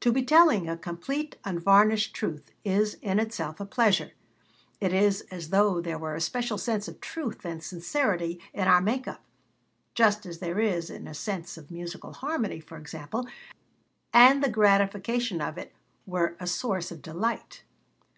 To be telling a complete, unvarnished truth is in itself a pleasure. It is as though there were a special sense of truth and sincerity in our make up (just as there is a sense of musical harmony, for example), and the gratification of it were a source of delight.